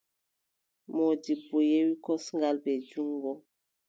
Moodibbo yewi kosngal, bee juŋngo.